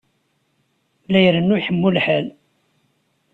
La irennu iḥemmu lḥal.